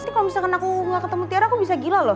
tapi kalau misalkan aku gak ketemu tiara aku bisa gila loh